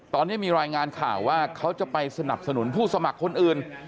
ตอนนี้มีรายงานข่าวว่าเขาจะไปสนับสนุนผู้สมัครคนอื่น